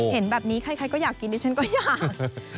เห็นแบบนี้ใครก็อยากกินดิฉันก็อยาก